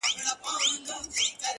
سیاه پوسي ده د مړو ورا ده؛